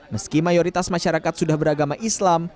meski mayoritas masyarakat sudah beragama islam